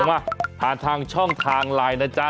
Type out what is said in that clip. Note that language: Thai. มาผ่านทางช่องทางไลน์นะจ๊ะ